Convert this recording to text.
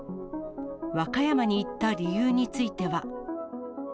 和歌山に行った理由については。